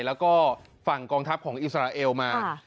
แล้วก็ฝั่งกองทัพของอิสราเอลมา